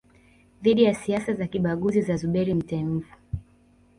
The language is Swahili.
dhidi ya siasa za kibaguzi za Zuberi Mtemvu